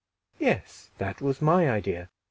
"Yes, that was my idea.